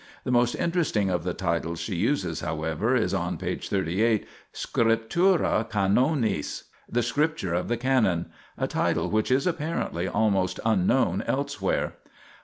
The most interesting of the titles she uses, however, is (on p. 38) scriptura canonis ("the Scripture of the Canon "), a title which is apparently almost unknown otherwise.